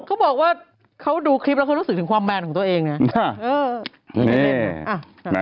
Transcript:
เขาบอกว่าเขาดูคลิปแล้วเขารู้สึกถึงความแมนของตัวเองเนี่ย